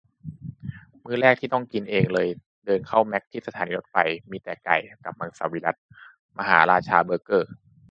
มื้อแรกที่ต้องกินเองเลยเดินเข้าแมคที่สถานีรถไฟ มีแต่ไก่ กับมังสวิรัติ มหาราชาเบอร์เกอร์